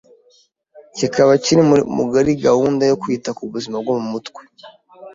kikaba kiri muri gahunda yo kwita ku buzima bwo mu mutwe,